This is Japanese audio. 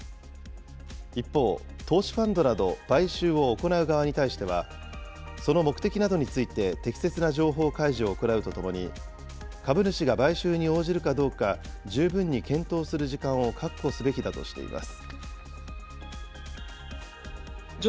一方、投資ファンドなど、買収を行う側に対しては、その目的などについて適切な情報開示を行うとともに、株主が買収に応じるかどうか、十分に検討する時間を確保すべきだとしています。